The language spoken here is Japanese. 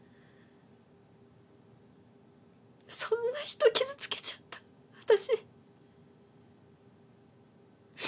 そんな人傷つけちゃった私。